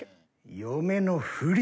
嫁のふり。